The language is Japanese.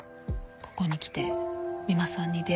ここに来て三馬さんに出会った事も。